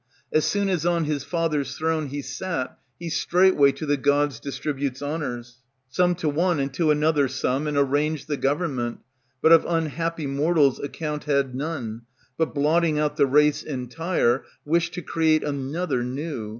As soon as on his father's throne He sat, he straightway to the gods distributes honors, Some to one and to another some, and arranged The government; but of unhappy mortals account Had none; but blotting out the race Entire, wished to create another new.